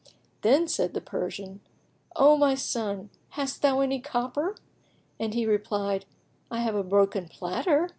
Then said the Persian, "O my son, hast thou any copper?" and he replied, "I have a broken platter."